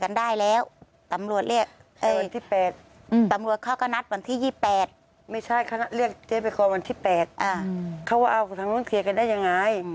เขาเอาออกของคนทางนู้นเคลียร์กันได้ยังไง